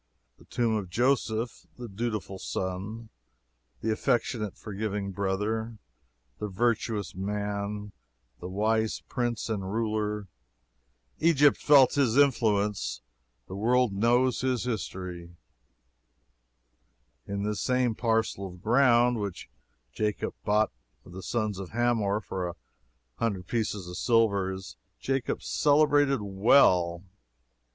The tomb of Joseph, the dutiful son, the affectionate, forgiving brother, the virtuous man, the wise Prince and ruler. Egypt felt his influence the world knows his history." In this same "parcel of ground" which Jacob bought of the sons of Hamor for a hundred pieces of silver, is Jacob's celebrated well.